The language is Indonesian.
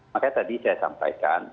makanya tadi saya sampaikan